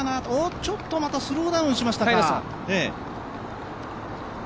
ちょっとまたスローダウンしましたか？